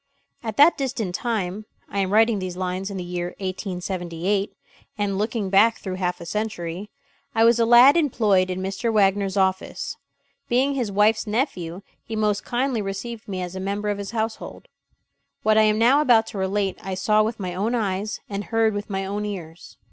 At that distant time I am writing these lines in the year 1878, and looking back through half a century I was a lad employed in Mr. Wagner's office. Being his wife's nephew, he most kindly received me as a member of his household. What I am now about to relate I saw with my own eyes and heard with my own ears.